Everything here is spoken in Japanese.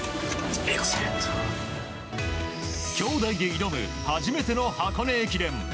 兄弟で挑む初めての箱根駅伝。